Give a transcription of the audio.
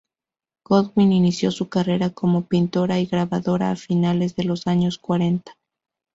Goodwin inició su carrera como pintora y grabadora a finales de los años cuarenta.